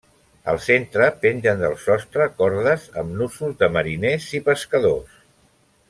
Al centre pengen del sostre cordes amb nusos de mariners i pescadors.